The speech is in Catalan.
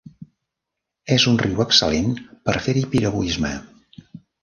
És un riu excel·lent per fer-hi piragüisme.